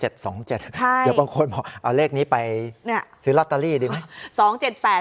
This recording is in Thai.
เดี๋ยวบางคนบอกเอาเลขนี้ไปซื้อลอตเตอรี่ดีไหม